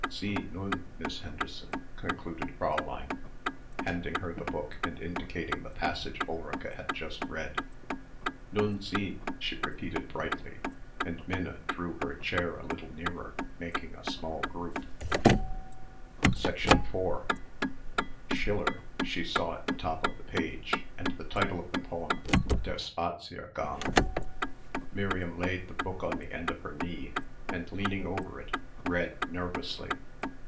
"Sie, nun, Miss Henderson," concluded Fräulein, handing her the book and indicating the passage Ulrica had just read. "Nun Sie," she repeated brightly, and Minna drew her chair a little nearer making a small group. 4 "Schiller" she saw at the top of the page and the title of the poem "Der Spaziergang." Miriam laid the book on the end of her knee, and leaning over it, read nervously.